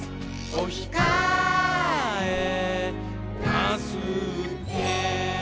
「おひかえなすって！」